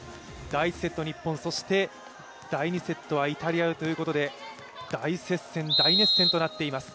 第１セット、日本、そして第２セットはイタリアということで大接戦、大熱戦となっています。